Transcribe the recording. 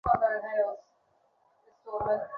স্ত্রীর অতিলালনের আওতায় স্বামীর মন হয়ে পড়েছে অসাবধান।